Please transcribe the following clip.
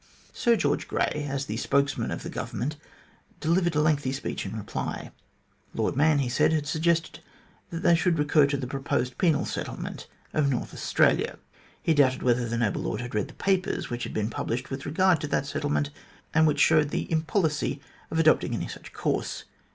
Sir George Grey, as the spokesman of the Government, delivered a lengthy speech in reply. Lord Mahon, he said, had suggested that they should recur to the proposed penal settlement of North Australia. He doubted whether the noble lord had read the papers which had been published with regard to that settlement, and which showed the im policy of adopting any such course.